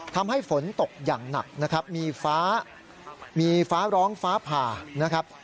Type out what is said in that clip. ทำให้ฝนตกอย่างหนักนะครับมีฟ้ามีฟ้าร้องฟ้าผ่านะครับ